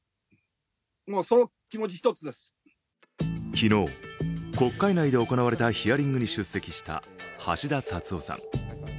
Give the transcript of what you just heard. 昨日、国会内で行われたヒアリングに出席した橋田達夫さん。